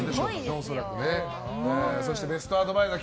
そしてベストアドバイザー